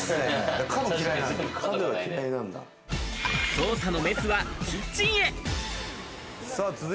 捜査のメスはキッチンへ。